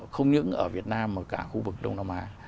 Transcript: không những ở việt nam mà cả khu vực đông nam á